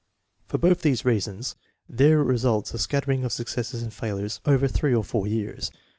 For both of these reasons there results a scattering of successes and failures over three or four years.